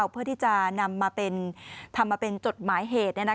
เพื่อที่จะนำมาทำมาเป็นจดหมายเหตุ